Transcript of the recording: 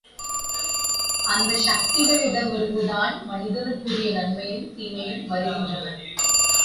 அந்தச் சக்திகளிடம் இருந்துதான் மனிதனுக்குரிய நன்மையும் தீமையும் வருகின்றன.